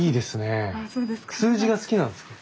数字が好きなんですか？